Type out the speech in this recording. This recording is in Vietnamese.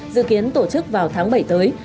dự kiến tổ chức vào tháng bảy tới